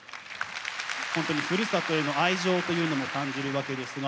ほんとにふるさとへの愛情というのも感じるわけですが。